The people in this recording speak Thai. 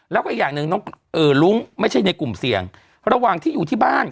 แล้วก็อีกอย่างหนึ่งน้องเอ่อลุ้งไม่ใช่ในกลุ่มเสี่ยงระหว่างที่อยู่ที่บ้าน